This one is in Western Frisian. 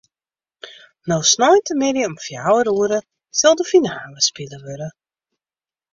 No sneintemiddei om fjouwer oere sil de finale spile wurde.